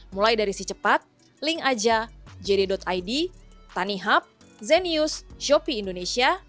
mulai dari si cepat link aja jd id tanihub zenius shopee indonesia